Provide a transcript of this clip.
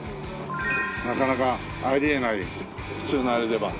なかなかあり得ない普通のあれでは。